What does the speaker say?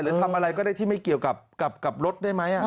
ทำอะไรก็ได้ที่ไม่เกี่ยวกับรถได้ไหม